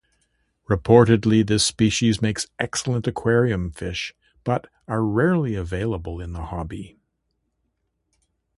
Reportedly this species makes excellent aquarium fish but are rarely available in the hobby.